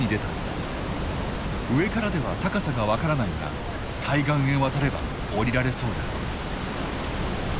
上からでは高さが分からないが対岸へ渡れば下りられそうだ。